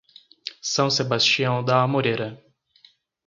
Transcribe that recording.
São Sebastião da Amoreira